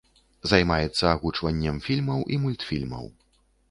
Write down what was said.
Займаецца агучваннем фільмаў і мультфільмаў.